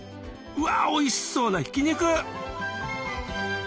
うわおいしそうなひき肉！